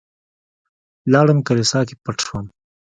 لاړم کليسا کې پټ شوم.